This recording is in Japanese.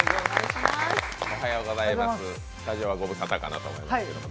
スタジオはご無沙汰かなと思いますけど。